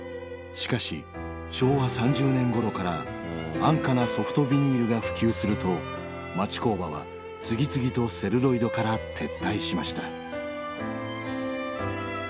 しかし昭和３０年ごろから安価なソフトビニールが普及すると町工場は次々とセルロイドから撤退しました。